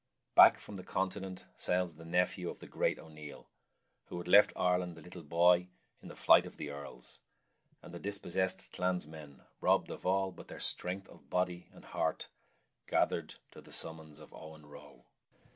Back from the continent sails the nephew of the great O'Neill, who had left Ireland a little boy in the flight of the Earls, and the dispossessed clansmen, robbed of all but their strength of body and heart, gathered to the summons of Owen Roe.